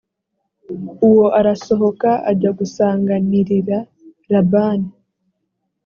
uwo arasohoka ajya gusanganirira labani